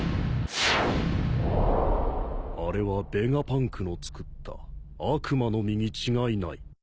あれはベガパンクの作った悪魔の実に違いない。